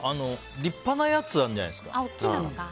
立派なやつあるじゃないですか。